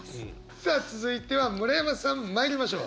さあ続いては村山さんまいりましょう。